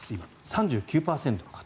３９％の方。